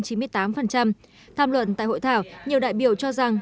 tham luận tại hội thảo nhiều đại biểu cho rằng